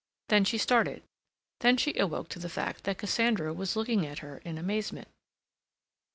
Then she started; then she awoke to the fact that Cassandra was looking at her in amazement.